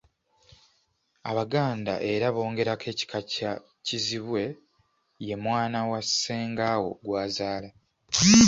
Abaganda era bongerako ekika kya Kizibwe ye mwana wa Ssengaawo gw’azaala.